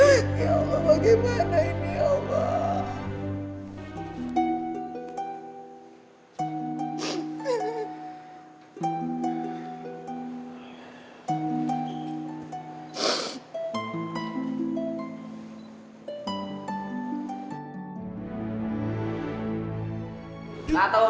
ya allah bagaimana ini ya allah